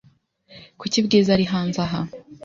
Kuki Bwiza ari hanze aha?